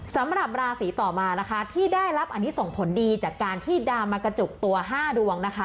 สำหรับราศีต่อมานะคะที่ได้รับอันนี้ส่งผลดีจากการที่ดาวมากระจุกตัว๕ดวงนะคะ